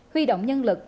huy động nhân lực